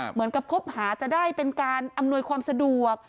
เหมือนกับครบหาจะได้เป็นการอำนวยความสะดวก